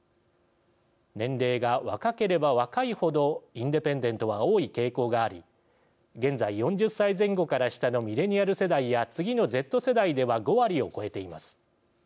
年齢が若ければ若い程インデペンデントは多い傾向があり現在４０歳前後から下のミレニアル世代や次のＺ世代では５割を超えています。